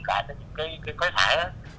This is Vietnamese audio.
cái khói thải